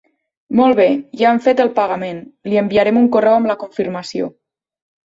Molt bé, ja hem fet el pagament, li enviarem un correu amb la confirmació.